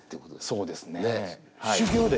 そうですね。